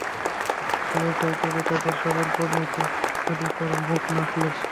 কিন্তু এটাই হবে তোদের সবার পরিণতি, যদি তোরা মুখ না খুলিস।